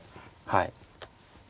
はい。